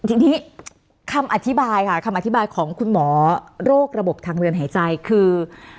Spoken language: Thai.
ทีนี้คำอธิบายค่ะคำอธิบายของคุณหมอโรคระบบทางเดินหายใจคือ